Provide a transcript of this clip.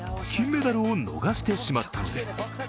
金メダルを逃してしまったのです。